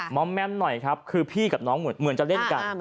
มอมแมมหน่อยครับคือพี่กับน้องเหมือนจะเล่นกัน